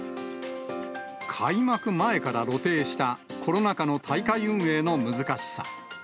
開幕前から露呈した、コロナ禍の大会運営の難しさ。